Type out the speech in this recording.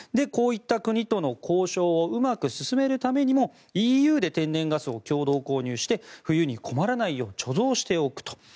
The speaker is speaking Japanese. こういった国との交渉をうまく進めるためにもＥＵで天然ガスを共同購入して冬に困らないよう貯蔵しておく。